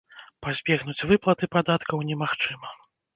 Пазбегнуць выплаты падаткаў немагчыма.